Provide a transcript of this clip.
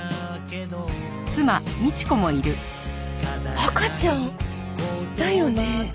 赤ちゃん？だよね？